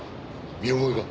見覚えが？